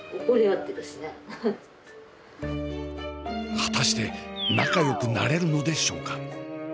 果たして仲よくなれるのでしょうか？